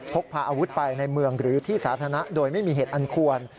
พกพาอาวุธไปในเมืองหรือที่สาธารณะโดยไม่มีเหตุอันควร